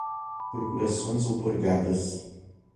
procurações outorgadas